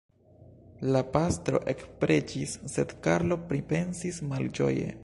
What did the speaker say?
La pastro ekpreĝis, sed Karlo pripensis malĝoje.